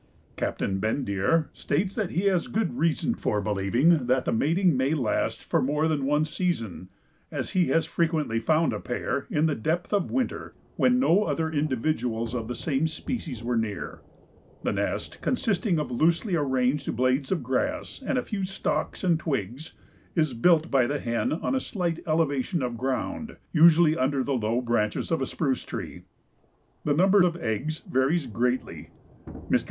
Captain Bendire states that he has good reason for believing that the mating may last for more than one season, as he has frequently found a pair, in the depth of winter, when no other individuals of the same species were near. The nest, consisting of loosely arranged blades of grass and a few stalks and twigs, is built by the hen on a slight elevation of ground, usually under the low branches of a spruce tree. The number of eggs varies greatly. Mr.